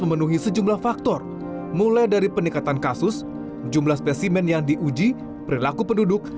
memenuhi sejumlah faktor mulai dari peningkatan kasus jumlah spesimen yang diuji perilaku penduduk